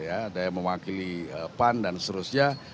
ada yang mewakili pan dan seterusnya